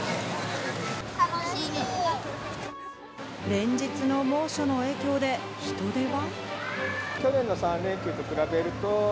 連日の猛暑の影響で、人出は？